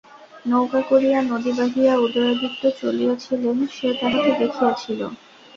নৌকা করিয়া নদী বাহিয়া উদয়াদিত্য চলিয়াছিলেন সে তাঁহাকে দেখিয়াছিল।